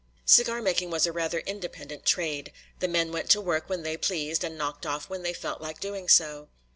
Cigar making was a rather independent trade; the men went to work when they pleased and knocked off when they felt like doing so.